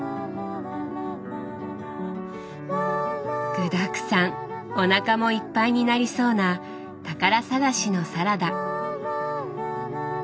具だくさんおなかもいっぱいになりそうな「宝探しのサラダ」。